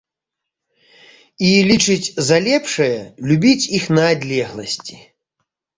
І лічыць за лепшае любіць іх на адлегласці.